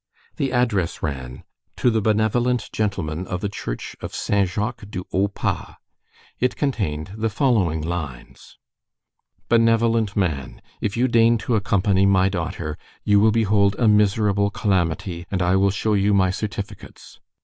The address ran: To the benevolent Gentleman of the church of Saint Jacques du haut Pas. It contained the following lines:— BENEVOLENT MAN: If you deign to accompany my daughter, you will behold a misserable calamity, and I will show you my certificates.